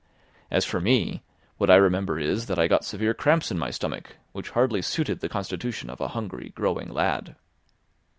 As for me, what I remember is, that I got severe cramps in my stomach, which hardly suited the constitution of a hungry, growing lad.